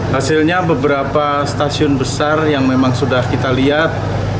hasilnya beberapa stasiun besar yang memang sudah kita lihat